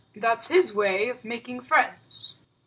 "That's his way of making friends."